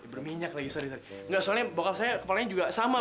berminyak lagi sering enggak soalnya bokap saya kepalanya juga sama